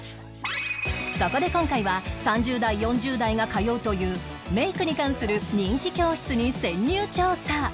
そこで今回は３０代４０代が通うというメイクに関する人気教室に潜入調査！